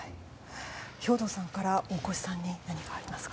兵頭さんから大越さんに何かありますか。